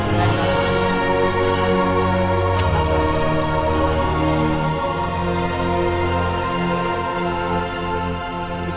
tidak ada yang bisa dikira